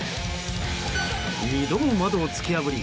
２度も窓を突き破り